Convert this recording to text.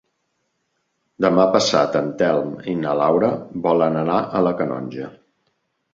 Demà passat en Telm i na Laura volen anar a la Canonja.